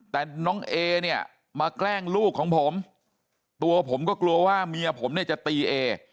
แต่น้องเอเนี่ยมาแกล้งลูกของผมตัวผมก็กลัวว่าเมียผมเนี่ยจะตีเอ